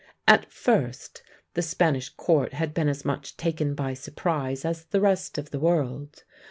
At first, the Spanish court had been as much taken by surprise as the rest of the world.